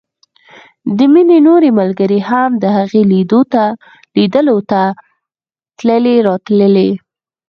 د مينې نورې ملګرې هم د هغې ليدلو ته تلې راتلې